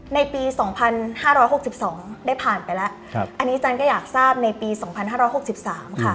ในปี๒๕๖๒ได้ผ่านไปแล้วอันนี้จันก็อยากทราบในปี๒๕๖๓ค่ะ